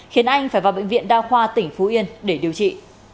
khiến anh phải vào bệnh viện đa khoa tỉnh phú yên để điều trị